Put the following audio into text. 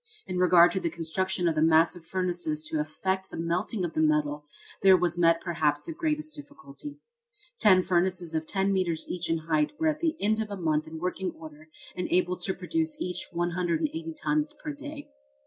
In regard to the construction of the massive furnaces to effect the melting of the metal, there was met perhaps the greatest difficulty. Ten furnaces of ten metres each in height were at the end of a month in working order and able to produce each 180 tons per day.